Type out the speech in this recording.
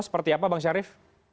seperti apa bang syarif